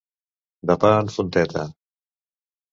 De pa en fonteta.